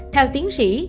theo tiến sĩ